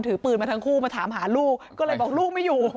ถือปืนมาทั้งคู่มาถามหาลูกก็เลยบอกลูกไม่อยู่